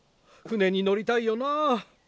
船に乗りたいよなぁ。